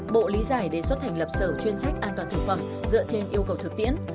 bộ lý giải đề xuất thành lập sở chuyên trách an toàn thực phẩm dựa trên yêu cầu thực tiễn